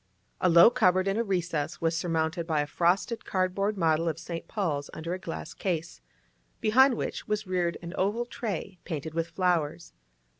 A low cupboard in a recess was surmounted by a frosted cardboard model of St. Paul's under a glass case, behind which was reared an oval tray painted with flowers.